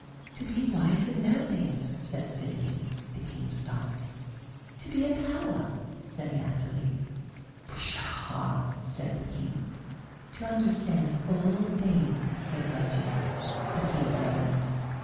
"To be wise and know things," said Sidonie. The King stamped. "To be a power," said Natalie. "Pshaw!" said the King. "To understand all things," said Virginie. The King groaned.